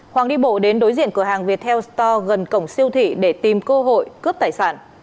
hoàng đi bộ đến đối diện cửa hàng viettel store gần cổng siêu thị để tìm cơ hội cướp tài sản